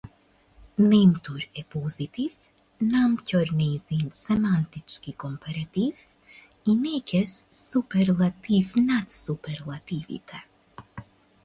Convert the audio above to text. Немтур е позитив, намќор нејзин семантички компаратив и некез суперлатив над суперлативите.